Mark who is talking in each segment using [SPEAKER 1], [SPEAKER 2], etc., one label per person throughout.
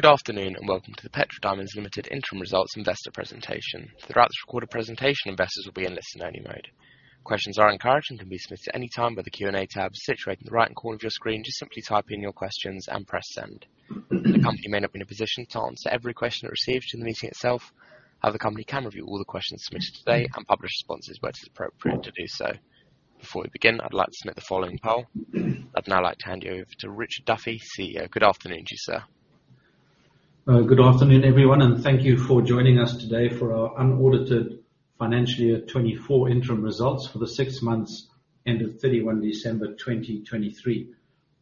[SPEAKER 1] Good afternoon and welcome to the Petra Diamonds Limited interim results investor presentation. Throughout this recorded presentation, investors will be in listen-only mode. Questions are encouraged and can be submitted at any time by the Q&A tab situated in the right-hand corner of your screen. Just simply type in your questions and press send. The company may not be in a position to answer every question that's received in the meeting itself, however, the company can review all the questions submitted today and publish responses where it is appropriate to do so. Before we begin, I'd like to submit the following poll. I'd now like to hand you over to Richard Duffy, CEO. Good afternoon to you, sir.
[SPEAKER 2] Good afternoon, everyone, and thank you for joining us today for our unaudited financial year 2024 interim results for the six months end of 31 December 2023.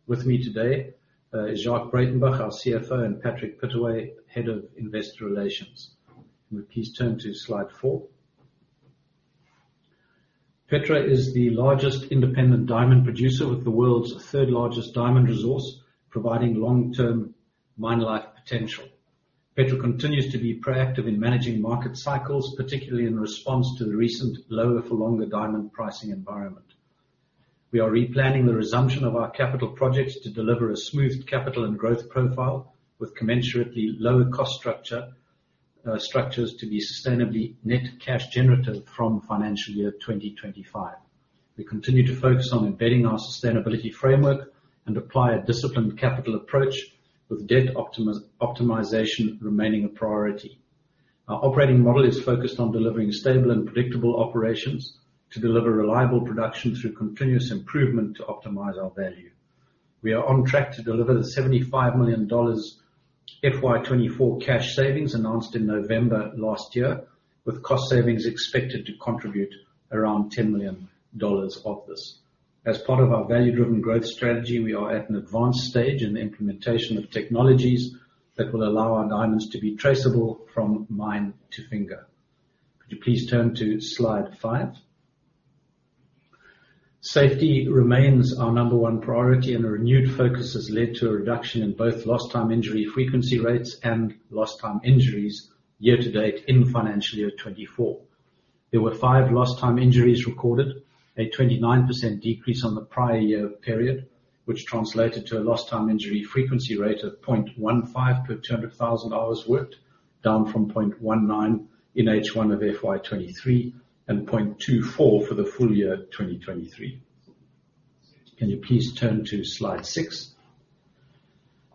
[SPEAKER 2] With me today is Jacques Breytenbach, our CFO, and Patrick Pittaway, head of investor relations. Can we please turn to slide four? Petra is the largest independent diamond producer with the world's third-largest diamond resource, providing long-term mine life potential. Petra continues to be proactive in managing market cycles, particularly in response to the recent lower-for-longer diamond pricing environment. We are replanning the resumption of our capital projects to deliver a smoothed capital and growth profile with commensurately lower cost structure, structures to be sustainably net cash generative from financial year 2025. We continue to focus on embedding our sustainability framework and apply a disciplined capital approach, with debt optimization remaining a priority. Our operating model is focused on delivering stable and predictable operations to deliver reliable production through continuous improvement to optimize our value. We are on track to deliver the $75 million FY24 cash savings announced in November last year, with cost savings expected to contribute around $10 million of this. As part of our value-driven growth strategy, we are at an advanced stage in the implementation of technologies that will allow our diamonds to be traceable from mine to finger. Could you please turn to slide 5? Safety remains our number one priority, and a renewed focus has led to a reduction in both lost-time injury frequency rates and lost-time injuries year to date in financial year 2024. There were 5 lost-time injuries recorded, a 29% decrease on the prior year period, which translated to a Lost-Time Injury Frequency Rate of 0.15 per 200,000 hours worked, down from 0.19 in H1 of FY23 and 0.24 for the full year 2023. Can you please turn to slide six?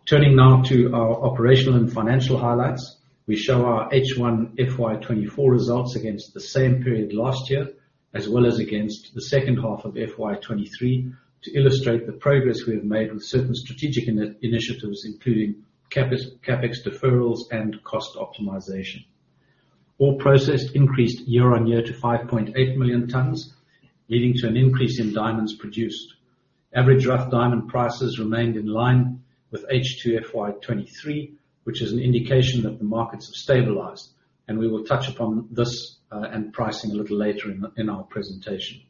[SPEAKER 2] Turning now to our operational and financial highlights, we show our H1 FY24 results against the same period last year as well as against the second half of FY23 to illustrate the progress we have made with certain strategic initiatives, including CapEx deferrals and cost optimization. Ore processed increased year-on-year to 5.8 million tonnes, leading to an increase in diamonds produced. Average rough diamond prices remained in line with H2 FY23, which is an indication that the markets have stabilized, and we will touch upon this, and pricing a little later in our presentation.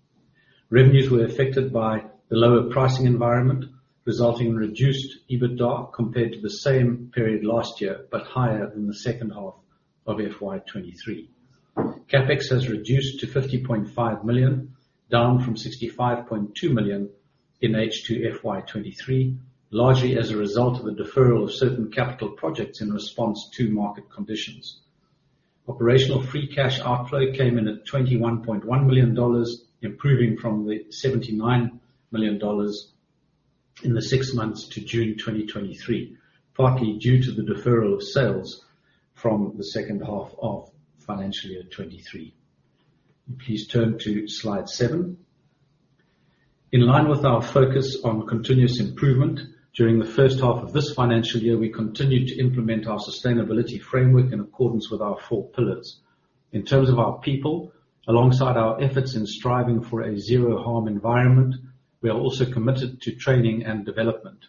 [SPEAKER 2] Revenues were affected by the lower pricing environment, resulting in reduced EBITDA compared to the same period last year but higher than the second half of FY 2023. CapEx has reduced to $50.5 million, down from $65.2 million in H2 FY 2023, largely as a result of a deferral of certain capital projects in response to market conditions. Operational free cash outflow came in at $21.1 million, improving from the $79 million in the six months to June 2023, partly due to the deferral of sales from the second half of financial year 2023. Please turn to slide seven. In line with our focus on continuous improvement during the first half of this financial year, we continue to implement our sustainability framework in accordance with our four pillars. In terms of our people, alongside our efforts in striving for a zero-harm environment, we are also committed to training and development.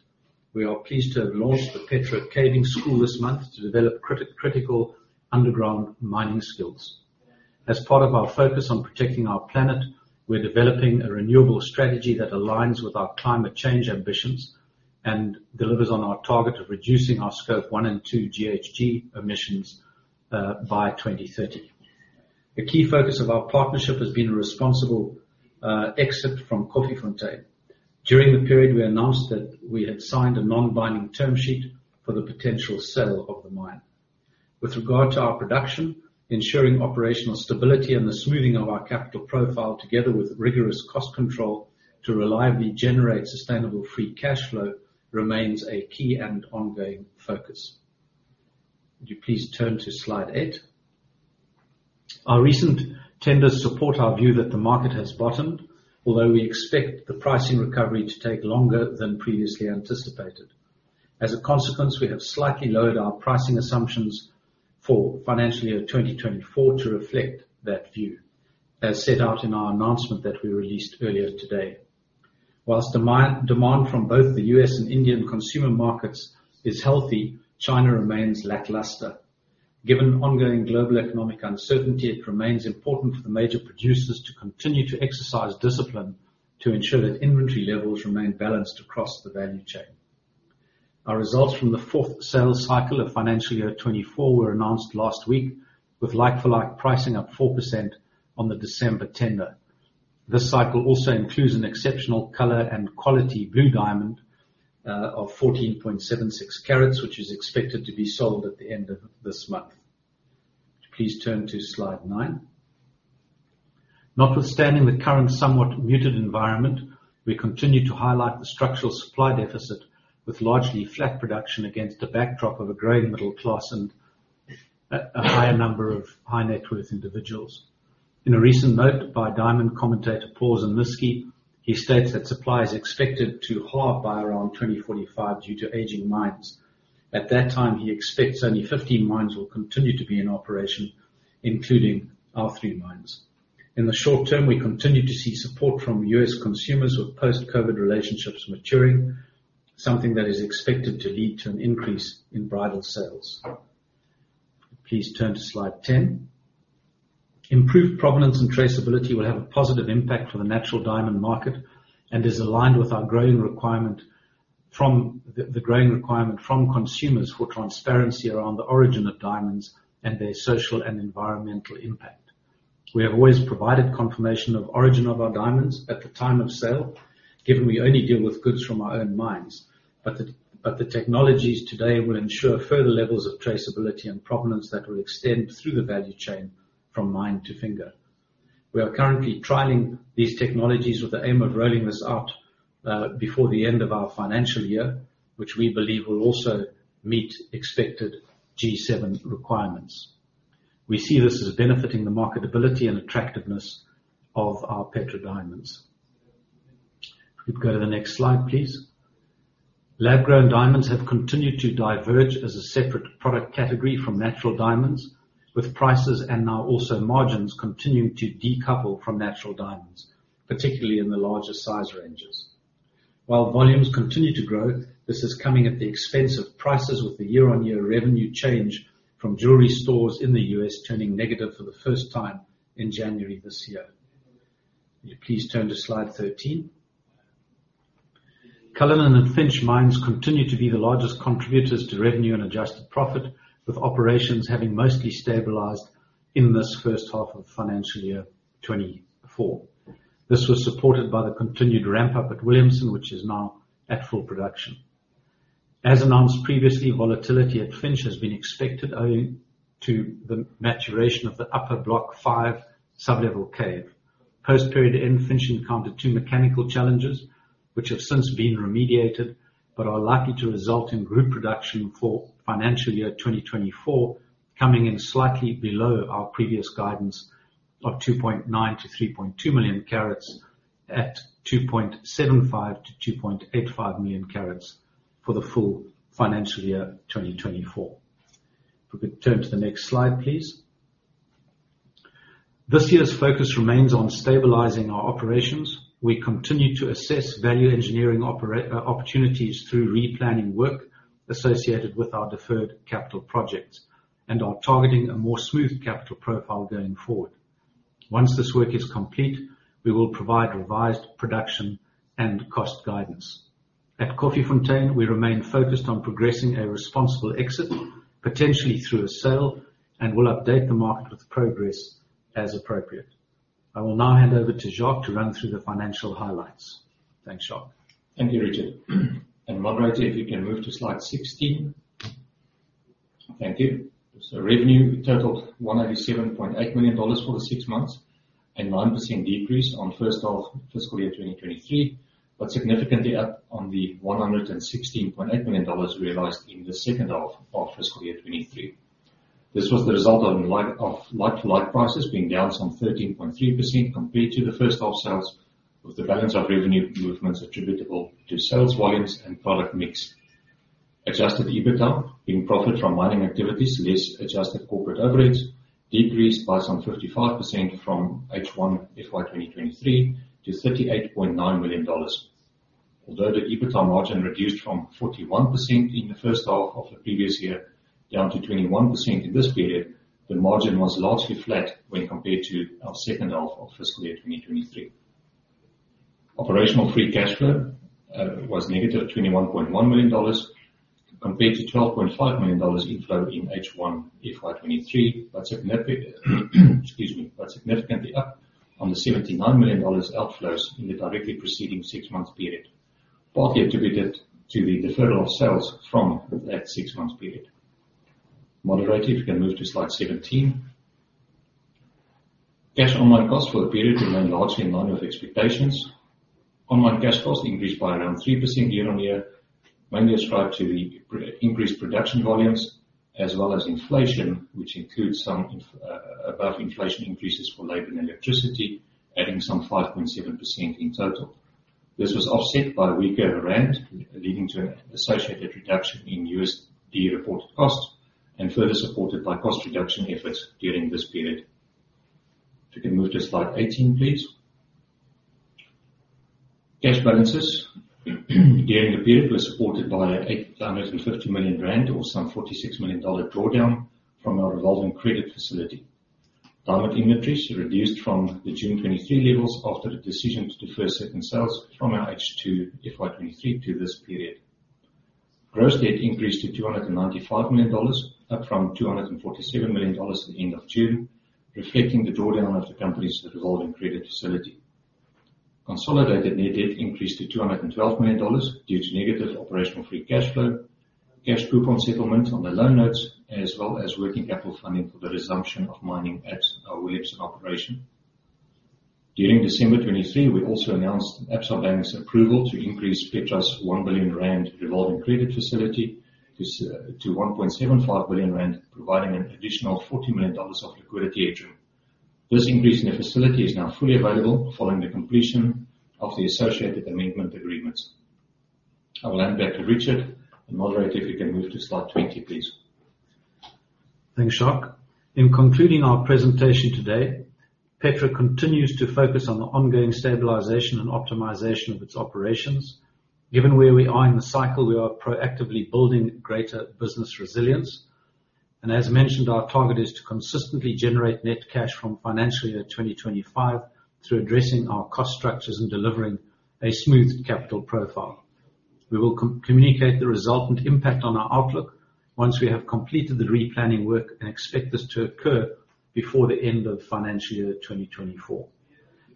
[SPEAKER 2] We are pleased to have launched the Petra Caving School this month to develop critical underground mining skills. As part of our focus on protecting our planet, we're developing a renewable strategy that aligns with our climate change ambitions and delivers on our target of reducing our Scope one and two GHG emissions by 2030. A key focus of our partnership has been a responsible exit from Koffiefontein. During the period, we announced that we had signed a non-binding term sheet for the potential sale of the mine. With regard to our production, ensuring operational stability and the smoothing of our capital profile together with rigorous cost control to reliably generate sustainable free cash flow remains a key and ongoing focus. Could you please turn to slide eight? Our recent tenders support our view that the market has bottomed, although we expect the pricing recovery to take longer than previously anticipated. As a consequence, we have slightly lowered our pricing assumptions for financial year 2024 to reflect that view, as set out in our announcement that we released earlier today. While the main demand from both the U.S. and Indian consumer markets is healthy, China remains lackluster. Given ongoing global economic uncertainty, it remains important for the major producers to continue to exercise discipline to ensure that inventory levels remain balanced across the value chain. Our results from the fourth sales cycle of financial year 2024 were announced last week, with like-for-like pricing up 4% on the December tender. This cycle also includes an exceptional color and quality blue diamond, of 14.76 carats, which is expected to be sold at the end of this month. Please turn to slide 9. Notwithstanding the current somewhat muted environment, we continue to highlight the structural supply deficit, with largely flat production against a backdrop of a growing middle class and a higher number of high-net-worth individuals. In a recent note by diamond commentator Paul Zimnisky, he states that supply is expected to halve by around 2045 due to aging mines. At that time, he expects only 15 mines will continue to be in operation, including our three mines. In the short term, we continue to see support from U.S. consumers, with post-COVID relationships maturing, something that is expected to lead to an increase in bridal sales. Please turn to slide 10. Improved provenance and traceability will have a positive impact for the natural diamond market and is aligned with our growing requirement from the growing requirement from consumers for transparency around the origin of diamonds and their social and environmental impact. We have always provided confirmation of origin of our diamonds at the time of sale, given we only deal with goods from our own mines, but the technologies today will ensure further levels of traceability and provenance that will extend through the value chain from mine to finger. We are currently trialing these technologies with the aim of rolling this out, before the end of our financial year, which we believe will also meet expected G7 requirements. We see this as benefiting the marketability and attractiveness of our Petra Diamonds. If we could go to the next slide, please. Lab-grown diamonds have continued to diverge as a separate product category from natural diamonds, with prices and now also margins continuing to decouple from natural diamonds, particularly in the larger size ranges. While volumes continue to grow, this is coming at the expense of prices, with the year-on-year revenue change from jewelry stores in the U.S. turning negative for the first time in January this year. Could you please turn to slide 13? Cullinan and Finsch Mines continue to be the largest contributors to revenue and adjusted profit, with operations having mostly stabilized in this first half of financial year 2024. This was supported by the continued ramp-up at Williamson, which is now at full production. As announced previously, volatility at Finsch has been expected owing to the maturation of the upper Block 5 Sublevel Cave. Post-period end, Finsch encountered two mechanical challenges, which have since been remediated but are likely to result in group production for financial year 2024, coming in slightly below our previous guidance of 2.9-3.2 million carats at 2.75-2.85 million carats for the full financial year 2024. If we could turn to the next slide, please. This year's focus remains on stabilizing our operations. We continue to assess value engineering opportunities through replanning work associated with our deferred capital projects and are targeting a more smoothed capital profile going forward. Once this work is complete, we will provide revised production and cost guidance. At Koffiefontein, we remain focused on progressing a responsible exit, potentially through a sale, and will update the market with progress as appropriate. I will now hand over to Jacques to run through the financial highlights. Thanks, Jacques.
[SPEAKER 3] Thank you, Richard. And moderator, if you can move to slide 16. Thank you. So revenue totaled $187.8 million for the six months, a 9% decrease on first half fiscal year 2023 but significantly up on the $116.8 million realized in the second half of fiscal year 2023. This was the result of in light of like-for-like prices being down some 13.3% compared to the first half sales, with the balance of revenue movements attributable to sales volumes and product mix. Adjusted EBITDA, being profit from mining activities less adjusted corporate overheads, decreased by some 55% from H1 FY2023 to $38.9 million. Although the EBITDA margin reduced from 41% in the first half of the previous year down to 21% in this period, the margin was largely flat when compared to our second half of fiscal year 2023. Operational free cash flow was -$21.1 million compared to $12.5 million inflow in H1 FY23 but significant excuse me, but significantly up on the -$79 million outflows in the directly preceding six-month period, partly attributed to the deferral of sales from that six-month period. Moderator, if you can move to slide 17. Cash on-mine costs for the period remain largely in line with expectations. On-mine cash costs increased by around 3% year-on-year, mainly ascribed to the increased production volumes as well as inflation, which includes some inflationary above-inflation increases for labor and electricity, adding some 5.7% in total. This was offset by weaker rand, leading to an associated reduction in USD reported costs and further supported by cost reduction efforts during this period. If we can move to slide 18, please. Cash balances. During the period, we're supported by a 850 million or some $46 million drawdown from our revolving credit facility. Diamond inventories reduced from the June 2023 levels after the decision to defer second sales from our H2 FY23 to this period. Gross debt increased to $295 million, up from $247 million at the end of June, reflecting the drawdown of the company's revolving credit facility. Consolidated net debt increased to $212 million due to negative operational free cash flow, cash coupon settlement on the loan notes, as well as working capital funding for the resumption of mining at our Williamson Mine. During December 2023, we also announced Absa Bank's approval to increase Petra's 1 billion rand revolving credit facility to 1.75 billion rand, providing an additional $40 million of liquidity headroom. This increase in the facility is now fully available following the completion of the associated amendment agreements. I will hand back to Richard. Moderator, if you can move to slide 20, please.
[SPEAKER 2] Thanks, Jacques. In concluding our presentation today, Petra continues to focus on the ongoing stabilization and optimization of its operations. Given where we are in the cycle, we are proactively building greater business resilience. As mentioned, our target is to consistently generate net cash from financial year 2025 through addressing our cost structures and delivering a smoothed capital profile. We will communicate the resultant impact on our outlook once we have completed the replanning work and expect this to occur before the end of financial year 2024.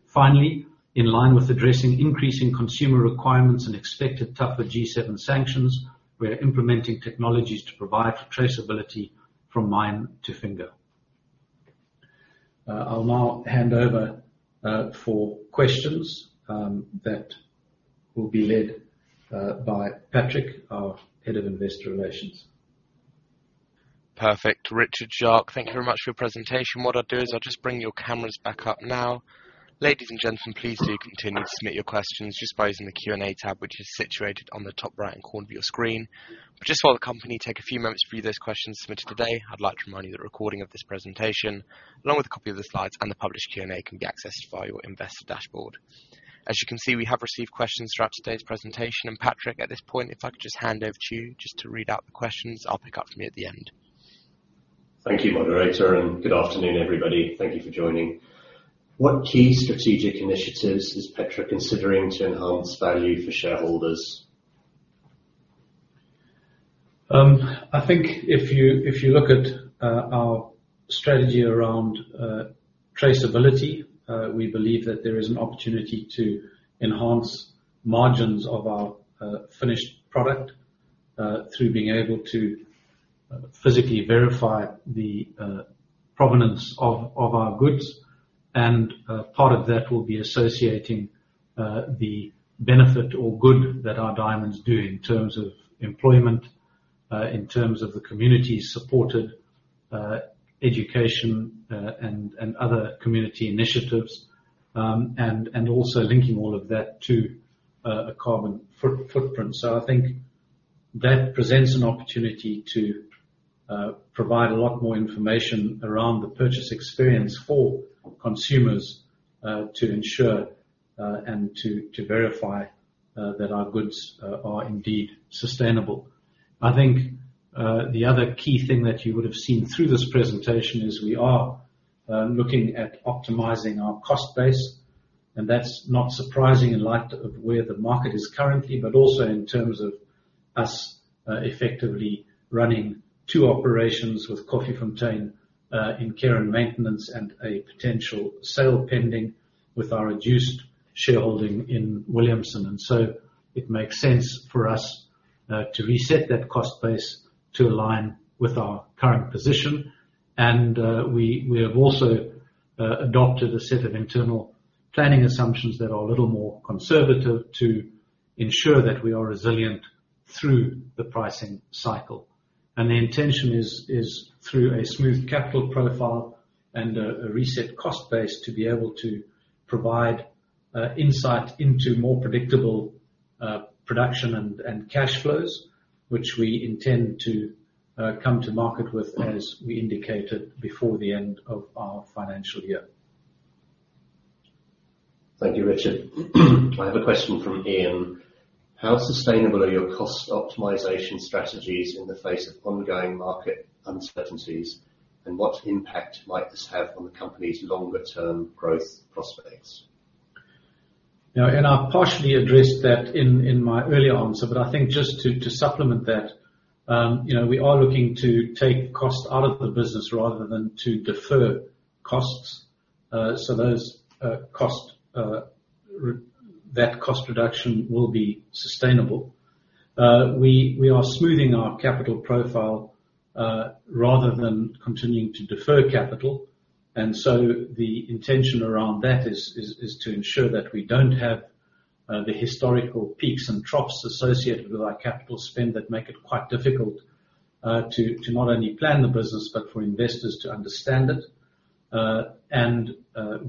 [SPEAKER 2] Finally, in line with addressing increasing consumer requirements and expected tougher G7 sanctions, we are implementing technologies to provide traceability from mine to finger.
[SPEAKER 3] I'll now hand over for questions that will be led by Patrick, our Head of Investor Relations.
[SPEAKER 1] Perfect, Richard, Jacques. Thank you very much for your presentation. What I'll do is I'll just bring your cameras back up now. Ladies and gentlemen, please do continue to submit your questions just by using the Q&A tab, which is situated on the top right-hand corner of your screen. But just while the company takes a few moments to view those questions submitted today, I'd like to remind you that the recording of this presentation, along with a copy of the slides and the published Q&A, can be accessed via your investor dashboard. As you can see, we have received questions throughout today's presentation. Patrick, at this point, if I could just hand over to you just to read out the questions, I'll pick up from you at the end.
[SPEAKER 4] Thank you, moderator. Good afternoon, everybody. Thank you for joining. What key strategic initiatives is Petra considering to enhance value for shareholders?
[SPEAKER 2] I think if you look at our strategy around traceability, we believe that there is an opportunity to enhance margins of our finished product through being able to physically verify the provenance of our goods. And part of that will be associating the benefit or good that our diamonds do in terms of employment, in terms of the communities supported, education, and other community initiatives, and also linking all of that to a carbon footprint. So I think that presents an opportunity to provide a lot more information around the purchase experience for consumers, to ensure and to verify that our goods are indeed sustainable. I think the other key thing that you would have seen through this presentation is we are looking at optimizing our cost base. That's not surprising in light of where the market is currently but also in terms of us effectively running two operations with Koffiefontein in care and maintenance and a potential sale pending with our reduced shareholding in Williamson. So it makes sense for us to reset that cost base to align with our current position. We have also adopted a set of internal planning assumptions that are a little more conservative to ensure that we are resilient through the pricing cycle. The intention is through a smoothed capital profile and a reset cost base to be able to provide insight into more predictable production and cash flows, which we intend to come to market with, as we indicated, before the end of our financial year.
[SPEAKER 4] Thank you, Richard. I have a question from Ian. How sustainable are your cost optimization strategies in the face of ongoing market uncertainties, and what impact might this have on the company's longer-term growth prospects?
[SPEAKER 2] Now, Ian, I partially addressed that in my earlier answer, but I think just to supplement that, you know, we are looking to take cost out of the business rather than to defer costs, so those costs regarding that cost reduction will be sustainable. We are smoothing our capital profile, rather than continuing to defer capital. And so the intention around that is to ensure that we don't have the historical peaks and troughs associated with our capital spend that make it quite difficult to not only plan the business but for investors to understand it. And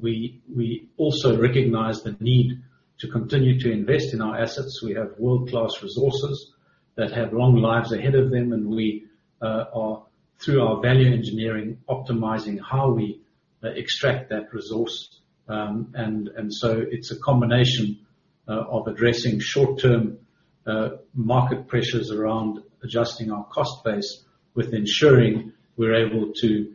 [SPEAKER 2] we also recognize the need to continue to invest in our assets. We have world-class resources that have long lives ahead of them, and we are through our value engineering optimizing how we extract that resource. and so it's a combination of addressing short-term market pressures around adjusting our cost base with ensuring we're able to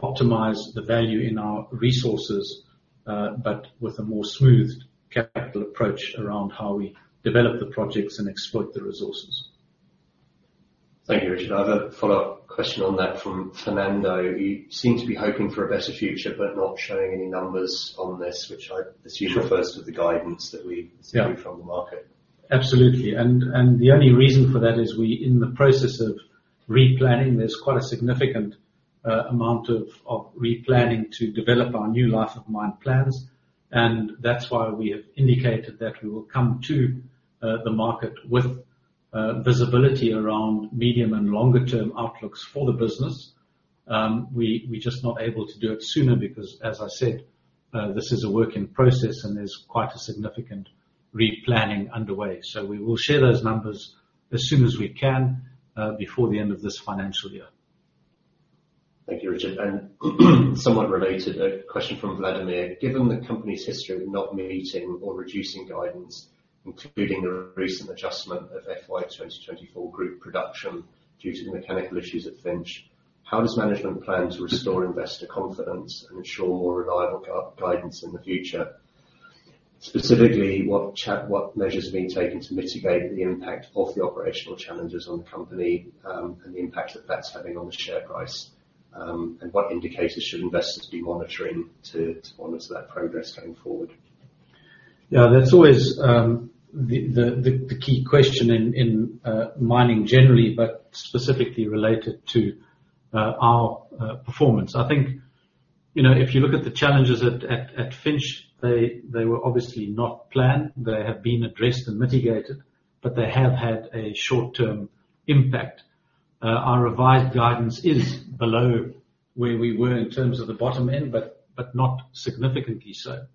[SPEAKER 2] optimize the value in our resources, but with a more smoothed capital approach around how we develop the projects and exploit the resources.
[SPEAKER 4] Thank you, Richard. I have a follow-up question on that from Fernando. You seem to be hoping for a better future but not showing any numbers on this, which I assume refers to the guidance that we see from the market.
[SPEAKER 2] Yeah. Absolutely. And the only reason for that is we in the process of replanning, there's quite a significant amount of replanning to develop our new life-of-mine plans. And that's why we have indicated that we will come to the market with visibility around medium and longer-term outlooks for the business. We're just not able to do it sooner because, as I said, this is a work in process, and there's quite a significant replanning underway. So we will share those numbers as soon as we can, before the end of this financial year. Thank you, Richard. And somewhat related, a question from Vladimir. Given the company's history of not meeting or reducing guidance, including the recent adjustment of FY2024 group production due to the mechanical issues at Finsch, how does management plan to restore investor confidence and ensure more reliable guidance in the future? Specifically, what measures are being taken to mitigate the impact of the operational challenges on the company, and the impact that that's having on the share price, and what indicators should investors be monitoring to monitor that progress going forward? Yeah, that's always the key question in mining generally but specifically related to our performance. I think, you know, if you look at the challenges at Finsch, they were obviously not planned. They have been addressed and mitigated, but they have had a short-term impact. Our revised guidance is below where we were in terms of the bottom end but not significantly so.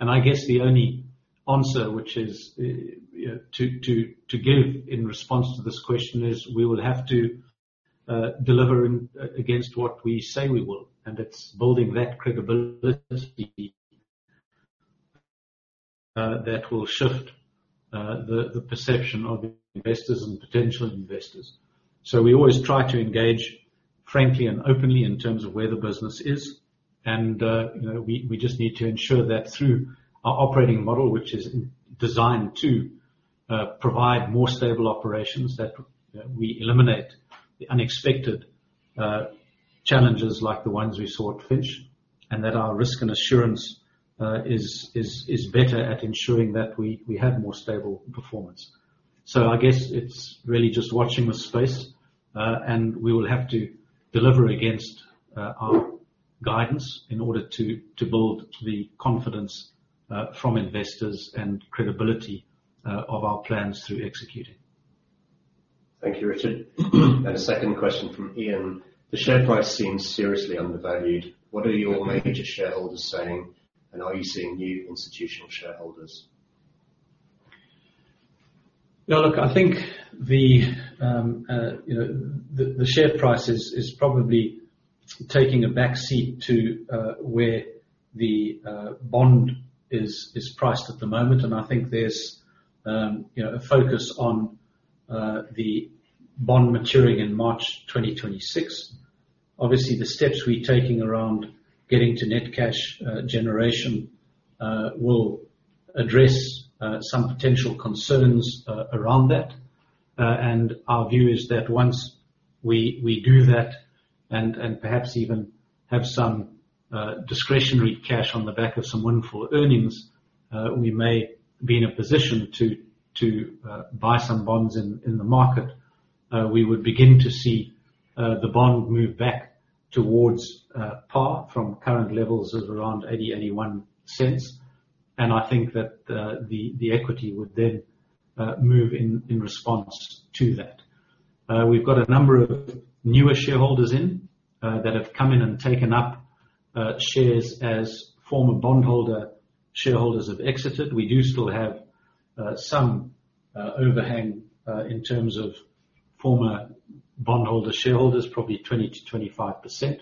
[SPEAKER 2] I guess the only answer, which is, you know, to give in response to this question is we will have to deliver against what we say we will. And it's building that credibility that will shift the perception of investors and potential investors. So we always try to engage frankly and openly in terms of where the business is. You know, we just need to ensure that through our operating model, which is designed to provide more stable operations, that you know, we eliminate the unexpected challenges like the ones we saw at Finsch and that our risk and assurance is better at ensuring that we have more stable performance. So I guess it's really just watching the space, and we will have to deliver against our guidance in order to build the confidence from investors and credibility of our plans through executing.
[SPEAKER 4] Thank you, Richard. A second question from Ian. The share price seems seriously undervalued. What are your major shareholders saying, and are you seeing new institutional shareholders?
[SPEAKER 2] Yeah, look, I think you know, the share price is probably taking a backseat to where the bond is priced at the moment. And I think there's you know, a focus on the bond maturing in March 2026. Obviously, the steps we're taking around getting to net cash generation will address some potential concerns around that. And our view is that once we do that and perhaps even have some discretionary cash on the back of some wonderful earnings, we may be in a position to buy some bonds in the market. We would begin to see the bond move back towards par from current levels of around $0.80-$0.81. And I think that the equity would then move in response to that. We've got a number of newer shareholders in that have come in and taken up shares as former bondholder shareholders have exited. We do still have some overhang in terms of former bondholder shareholders, probably 20%-25%.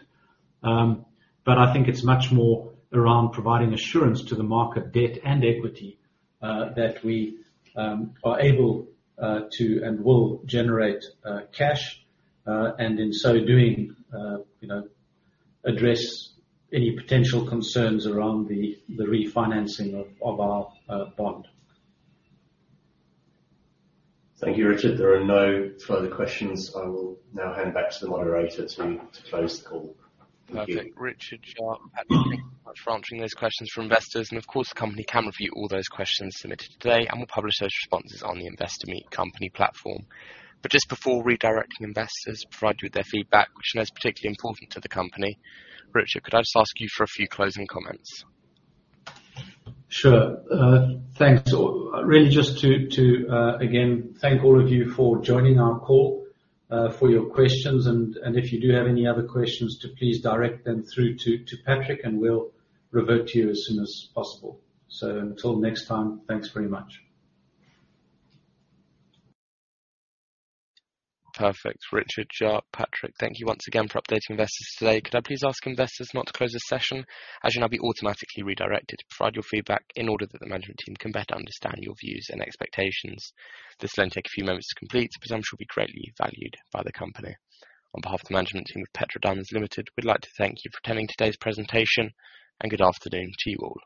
[SPEAKER 2] But I think it's much more around providing assurance to the market, debt and equity, that we are able to and will generate cash, and in so doing, you know, address any potential concerns around the refinancing of our bond.
[SPEAKER 4] Thank you, Richard. There are no further questions. I will now hand back to the moderator to close the call. Thank you.
[SPEAKER 1] Perfect, Richard, Jacques, and Patrick. Thank you very much for answering those questions from investors. Of course, the company can review all those questions submitted today, and we'll publish those responses on the Investor Meet Company platform. But just before redirecting investors, provide you with their feedback, which I know is particularly important to the company. Richard, could I just ask you for a few closing comments?
[SPEAKER 2] Sure. Thanks, really just to again thank all of you for joining our call, for your questions. And if you do have any other questions, please direct them through to Patrick, and we'll revert to you as soon as possible. So until next time, thanks very much.
[SPEAKER 1] Perfect, Richard, Jacques, Patrick. Thank you once again for updating investors today. Could I please ask investors not to close this session? As you know, I'll be automatically redirected. Provide your feedback in order that the management team can better understand your views and expectations. This will only take a few moments to complete, but I'm sure it will be greatly valued by the company. On behalf of the management team of Petra Diamonds Limited, we'd like to thank you for attending today's presentation, and good afternoon to you all.